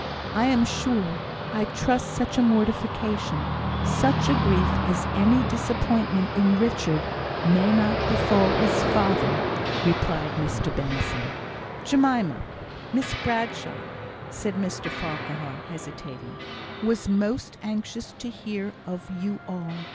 "I am sure, I trust such a mortification such a grief as any disappointment in Richard, may not befall his father," replied Mr Benson. "Jemima Miss Bradshaw," said Mr Farquhar, hesitating, "was most anxious to hear of you all.